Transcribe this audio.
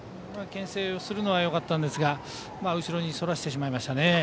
けん制をするのはよかったんですが後ろにそらしてしまいましたね。